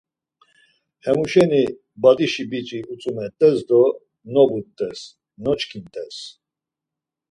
Hemu şeni Badişi biç̌i utzumet̆es do nobut̆es, noçkint̆es.